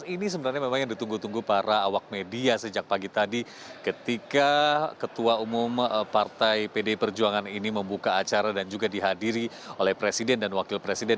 ini sebenarnya memang yang ditunggu tunggu para awak media sejak pagi tadi ketika ketua umum partai pdi perjuangan ini membuka acara dan juga dihadiri oleh presiden dan wakil presiden